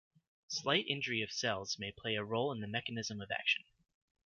Slight injury of cells may play a role in the mechanism of action.